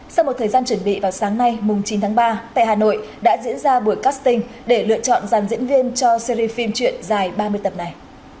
sau một thời gian chuẩn bị vào sáng nay chín tháng ba tại hà nội đã diễn ra buổi casting để lựa chọn giàn diễn viên cho series phim truyện dài ba mươi tập này